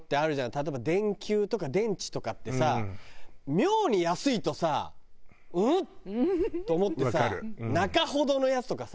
例えば電球とか電池とかってさ妙に安いとさうん？と思ってさ中ほどのやつとかさ。